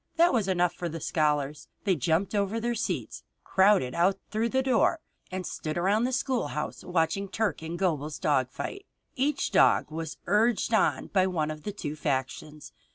That was enough for the scholars. They jumped over their seats, crowded out through the door, and stood around the schoolhouse watching Turk and Gobel's dog fight. Each dog was urged on by one of the two factions.